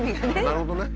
なるほどね。